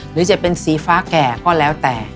หรือจะเป็นสีฟ้าแก่ก็แล้วแต่